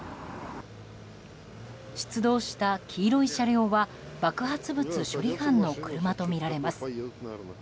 出動した黄色い車両は爆発物処理班の車とみられます。